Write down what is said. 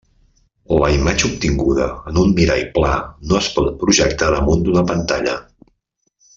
La imatge obtinguda en un mirall pla no es pot projectar damunt d'una pantalla.